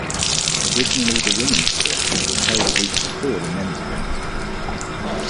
Originally the women's tournament was held a week before the men's event.